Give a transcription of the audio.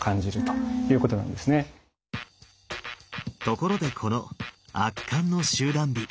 ところでこの「圧巻の集団美」